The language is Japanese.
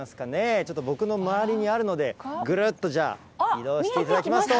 ちょっと僕の周りにあるので、ぐるっと、じゃあ、移動していただきますと。